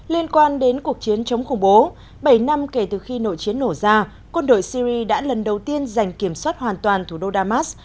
liên quan đến cuộc chiến chống khủng bố bảy năm kể từ khi nội chiến nổ ra quân đội syri đã lần đầu tiên giành kiểm soát hoàn toàn thủ đô damas